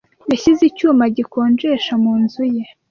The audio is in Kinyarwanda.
Yashyize icyuma gikonjesha mu nzu ye.